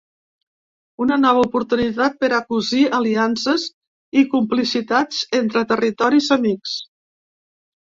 Una nova oportunitat per a cosir aliances i complicitats entre territoris amics.